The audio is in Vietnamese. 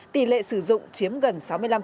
tỷ lệ sử dụng chiếm gần sáu mươi năm